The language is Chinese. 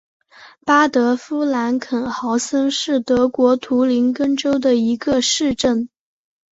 巴德夫兰肯豪森是德国图林根州的一个市镇。